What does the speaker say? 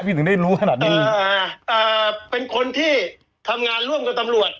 ถึงได้รู้ขนาดนี้อ่าอ่าเป็นคนที่ทำงานร่วมกับตำรวจ